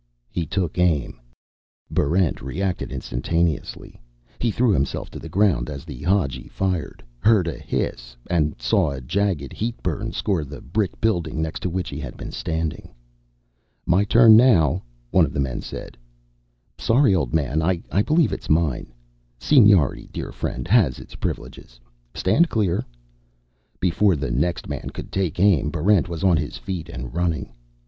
He took aim. Barrent reacted instantaneously. He threw himself to the ground as the Hadji fired, heard a hiss, and saw a jagged heatburn score the brick building next to which he had been standing. "My turn now," one of the men said. "Sorry, old man, I believe it's mine." "Seniority, dear friend, has its privileges. Stand clear." Before the next man could take aim, Barrent was on his feet and running.